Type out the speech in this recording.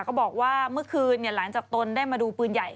บอกว่าเมื่อคืนหลังจากตนได้มาดูปืนใหญ่